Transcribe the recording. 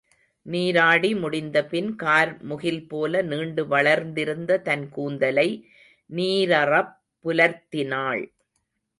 நீராடி முடிந்தபின் கார் முகில்போல நீண்டு வளர்ந்திருந்த தன் கூந்தலை நீரறப் புலர்த்தினாள்.